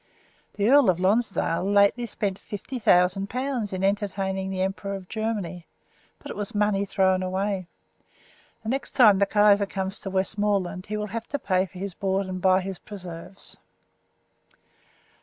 The Earl of Lonsdale lately spent fifty thousand pounds in entertaining the Emperor of Germany, but it was money thrown away. The next time the Kaiser comes to Westmoreland he will have to pay for his board and buy his preserves.